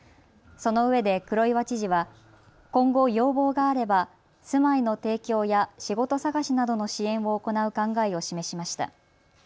そのうえで黒岩知事は今後、要望があれば住まいの提供や仕事探しなどの支援を行う考えを示しました。